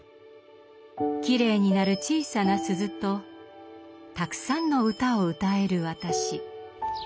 きれいに鳴る小さな鈴とたくさんの唄を歌える私。